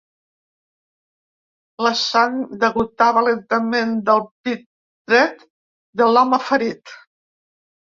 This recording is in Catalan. La sang degotava lentament del pit dret de l'home ferit.